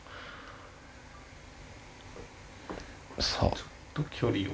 ちょっと距離を。